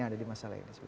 ada masalah lain